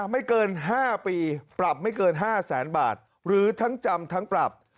ไม่เกิน๕ปีปรับไม่เกิน๕แสนบาทหรือทั้งจำทั้งปรับ